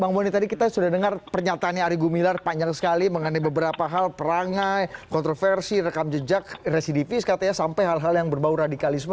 bang boni tadi kita sudah dengar pernyataannya ari gumilar panjang sekali mengenai beberapa hal perangai kontroversi rekam jejak residivis katanya sampai hal hal yang berbau radikalisme